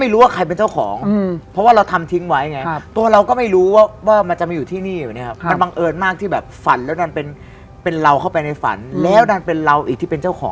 แล้วคุยนี้มันไปอยู่กับเขาคือเขาก็